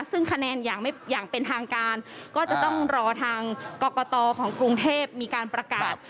ซึ่งคะแนนอย่างเป็นทางการก็จะต้องรอทางกรกตของกรุงเทพมีการประกาศ